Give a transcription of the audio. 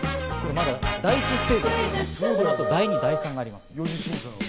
まだ第１ステージですから、第２、第３があります。